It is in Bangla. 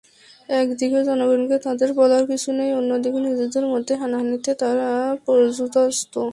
একদিকে জনগণকে তাঁদের বলার কিছু নেই, অন্যদিকে নিজেদের মধ্যে হানাহানিতে তাঁরা পর্যুদস্ত।